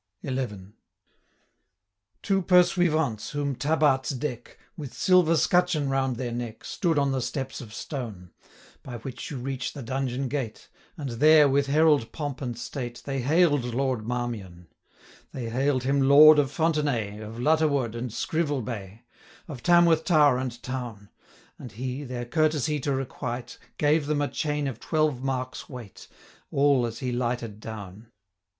150 XI. Two pursuivants, whom tabarts deck, With silver scutcheon round their neck, Stood on the steps of stone, By which you reach the donjon gate, And there, with herald pomp and state, 155 They hail'd Lord Marmion: They hail'd him Lord of Fontenaye, Of Lutterward, and Scrivelbaye, Of Tamworth tower and town; And he, their courtesy to requite, 160 Gave them a chain of twelve marks' weight, All as he lighted down.